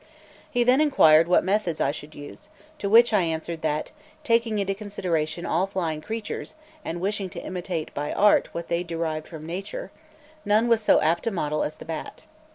He then inquired what methods I should use; to which I answered that, taking into consideration all flying creatures, and wishing to imitate by art what they derived from nature, none was so apt a model as the bat.